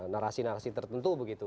narasi narasi tertentu begitu